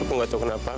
aku enggak tahu kenapa